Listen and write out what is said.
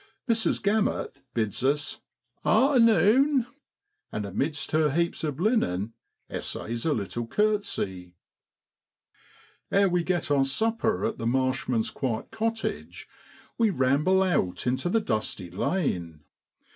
Mrs. Gammut bids us ' Arternune,' and amidst her heaps of linen essays a little curtsey. 78 AUGUST JA BHOADLAND. Ere we get our supper at the Marshman's quiet cottage, we ramble out into the dusty lane.